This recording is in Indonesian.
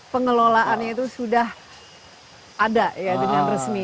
pengelolaannya itu sudah ada ya dengan resmi